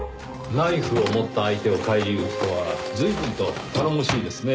ナイフを持った相手を返り討ちとは随分と頼もしいですねぇ。